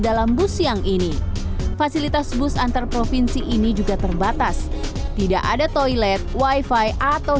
dalam bus yang ini fasilitas bus antar provinsi ini juga terbatas tidak ada toilet wifi atau